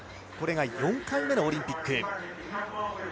これが４回目のオリンピック。